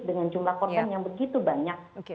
dengan jumlah korban yang begitu banyak